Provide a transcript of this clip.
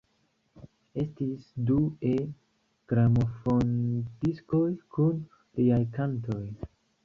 Estis du E-gramofondiskoj kun liaj kantoj.